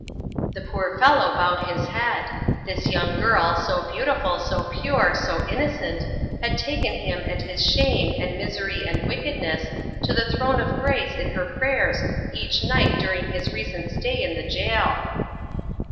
The poor fellow bowed his head. This young girl, so beautiful, so pure, so innocent, had taken him and his shame, and misery and wickedness, to the throne of Grace in her prayers each night during his recent stay in the jail!